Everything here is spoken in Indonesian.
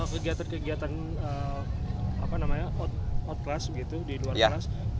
kegiatan kegiatan outclass di luar kelas